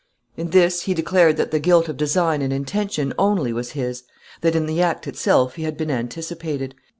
In this he declared that the guilt of design and intention only was his that in the act itself he had been anticipated.